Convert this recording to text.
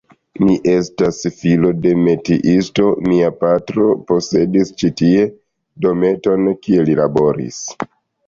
Mi estas filo de metiisto, mia patro posedis ĉi tie dometon, kie li laboris.